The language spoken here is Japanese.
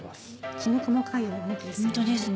きめ細かいお肉ですよね。